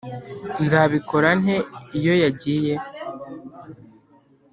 nzabikora nte iyo yagiye